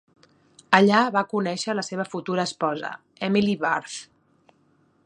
Allà va conèixer la seva futura esposa, Emily Barth.